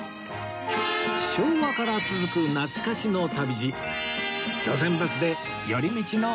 昭和から続く懐かしの旅路